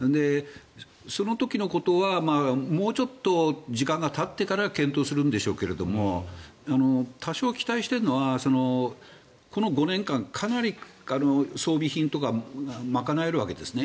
その時のことはもうちょっと時間がたってから検討するんでしょうけど多少期待しているのはこの５年間、かなり装備品とか賄えるわけですね。